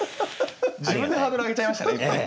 自分でハードル上げちゃいましたね今ね。